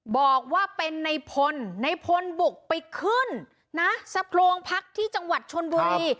บอกว่าเป็นในพลในพลบุกไปขึ้นนะสะโพรงพักที่จังหวัดชนบุรี